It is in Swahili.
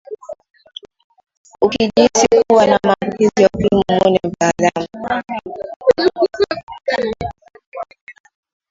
ukijihisi kuwa na maambukizi ya ukimwi muone mtaalamu